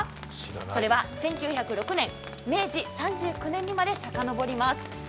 それは１９０６年、明治３９年にまでさかのぼります。